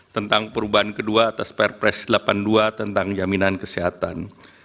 tentang perubahan kedua atas perpres delapan puluh dua tentang jaminan kesehatan